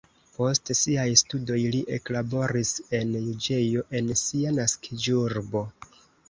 Post siaj studoj li eklaboris en juĝejo en sia naskiĝurbo.